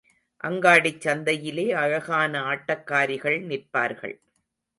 அங்காடிச் சந்தையிலே அழகான ஆட்டக்காரிகள் நிற்பார்கள்.